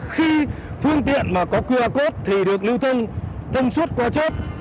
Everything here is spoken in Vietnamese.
khi phương tiện mà có qr code thì được lưu thông thông suốt qua chốt